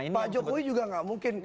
pak jokowi juga nggak mungkin